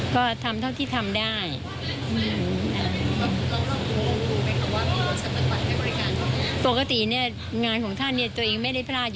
ก็ทำเท่าที่ทำได้